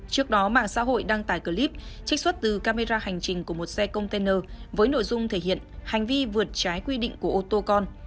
trước đó mạng xã hội đăng tải clip trích xuất từ camera hành trình của một xe container với nội dung thể hiện hành vi vượt trái quy định của ô tô con